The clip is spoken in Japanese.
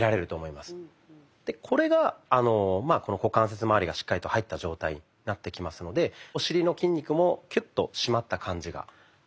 これが股関節まわりがしっかりと入った状態になってきますのでお尻の筋肉もキュッと締まった感じがあります。